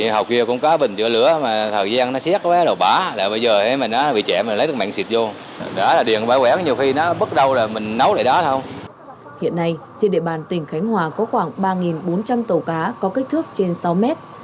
hiện nay trên địa bàn tỉnh khánh hòa có khoảng ba bốn trăm linh tàu cá có kích thước trên sáu mét